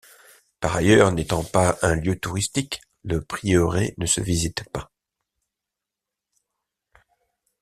Par ailleurs, n’étant pas un lieu touristique, le prieuré ne se visite pas.